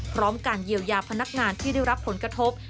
พร้อมการเยียวยาพนักงานที่ได้รับผลกระทบ